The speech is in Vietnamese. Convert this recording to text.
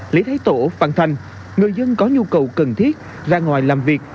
lý thái tổ phan thanh người dân có nhu cầu cần thiết ra ngoài làm việc